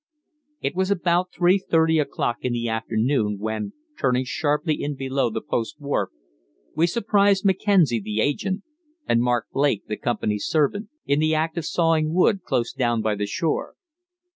It was about 3.30 o'clock in the afternoon when, turning sharply in below the post wharf, we surprised Mackenzie, the agent, and Mark Blake, the company's servant, in the act of sawing wood close down by the shore.